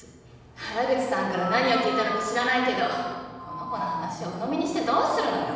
原口さんから何を聞いたのか知らないけどこの子の話をうのみにしてどうするのよ！